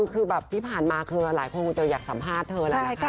คือแบบที่ผ่านมาคือหลายคนคงจะอยากสัมภาษณ์เธอแล้วนะคะ